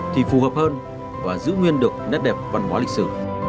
thì phù hợp hơn và giữ nguyên được nét đẹp văn hóa lịch sử